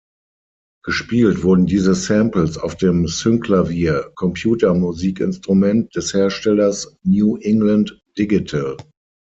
Gespielt wurden diese Samples auf dem „Synclavier“ Computer-Musikinstrument des Herstellers „New England Digital“.